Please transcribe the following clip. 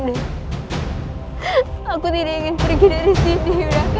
aku tidak ingin pergi dari sini yuda